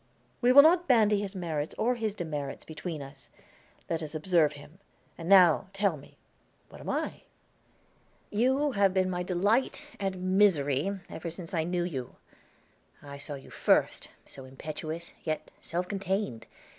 "We will not bandy his merits or his demerits between us. Let us observe him. And now, tell me, what am I?" "You have been my delight and misery ever since I knew you. I saw you first, so impetuous, yet self contained!